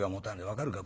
分かるか？